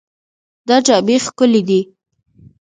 دا جامې ښکلې دي.